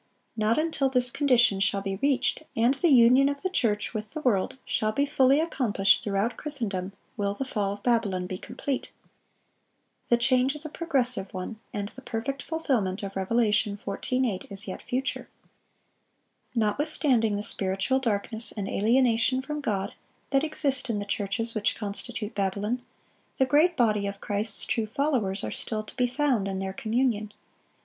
(642) Not until this condition shall be reached, and the union of the church with the world shall be fully accomplished throughout Christendom, will the fall of Babylon be complete. The change is a progressive one, and the perfect fulfilment of Rev. 14:8 is yet future. Notwithstanding the spiritual darkness and alienation from God that exist in the churches which constitute Babylon, the great body of Christ's true followers are still to be found in their communion.